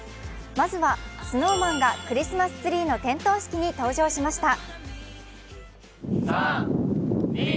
まずはＳｎｏｗＭａｎがクリスマスツリーの点灯式に登場しました。